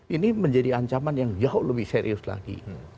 ini menjadi ancaman yang jauh lebih serius lagi